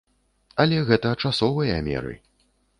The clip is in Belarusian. Але гэта часовыя меры.